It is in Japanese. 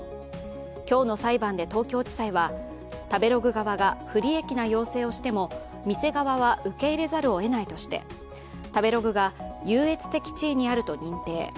今日の裁判で東京地裁は、食べログ側が不利益な要請をしても受け入れざるをえないとして、食べログが優越的地位にあると認定。